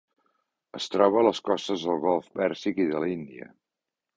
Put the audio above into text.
Es troba a les costes del Golf Pèrsic i de l'Índia.